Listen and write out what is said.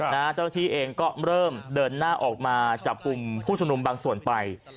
เจ้าหน้าที่เองก็เริ่มเดินหน้าออกมาจับกลุ่มผู้ชมนุมบางส่วนไป